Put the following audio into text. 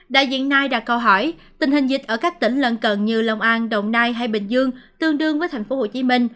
đại diện nai đặt câu hỏi tình hình dịch ở các tỉnh lần cần như lòng an đồng nai hay bình dương tương đương với tp hcm